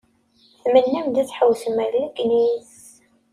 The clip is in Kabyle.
Tmennam-d ad tḥewwsem ar Legniz.